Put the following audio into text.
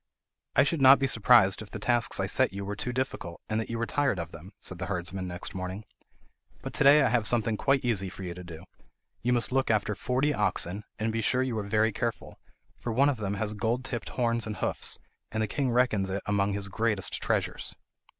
"I should not be surprised if the tasks I set you were too difficult, and that you were tired of them," said the herdsman next morning; "but to day I have something quite easy for you to do. You must look after forty oxen, and be sure you are very careful, for one of them has gold tipped horns and hoofs, and the king reckons it among his greatest treasures."